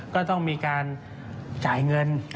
ก็ต้องมีการจ่ายเงิน